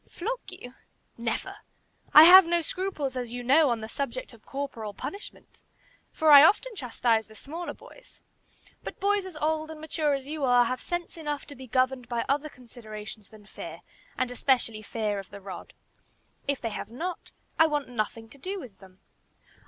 "Flog you! Never! I have no scruples, as you know, on the subject of corporal punishment, for I often chastise the smaller boys; but boys as old and mature as you are have sense enough to be governed by other considerations than fear, and especially fear of the rod. If they have not, I want nothing to do with them."